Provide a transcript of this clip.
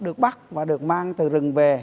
được bắt và được mang từ rừng về